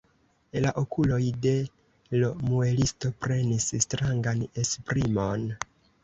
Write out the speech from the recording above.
La okuloj de l' muelisto prenis strangan esprimon.